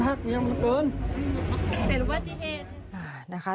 เป็นความอุบัจริเทศ